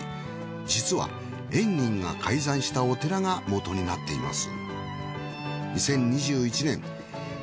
実は円仁が開山したお寺がもとになっています。